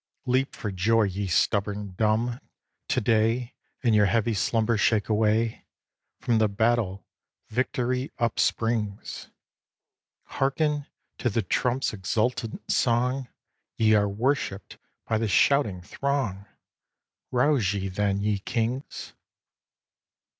Leap for joy, ye stubborn dumb, to day, And your heavy slumber shake away! From the battle, victory upsprings! Hearken to the trump's exulting song! Ye are worshipped by the shouting throng! Rouse ye, then, ye kings!